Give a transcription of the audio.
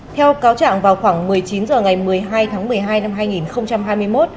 theo cáo trạng vào khoảng một mươi chín h ngày một mươi hai tháng một mươi hai năm hai nghìn hai mươi một